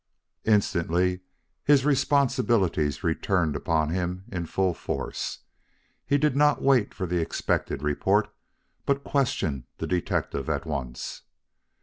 Instantly his responsibilities returned upon him in full force. He did not wait for the expected report, but questioned the detective at once.